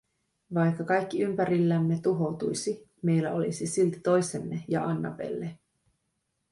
Vaikka kaikki ympärillämme tuhoutuisi, meillä olisi silti toisemme ja Annabelle.